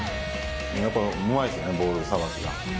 やっぱうまいですねボールさばきが。